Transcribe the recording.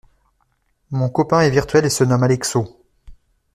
Mon copain est virtuel et se nomme Alexo.